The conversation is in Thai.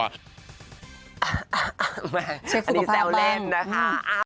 เช็คฝุกภาพบ้างอันนี้แซวเล่นนะคะ